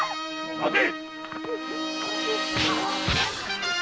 ・待て！